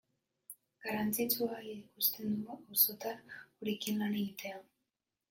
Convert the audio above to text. Garrantzitsua ikusten du auzotar horiekin lan egitea.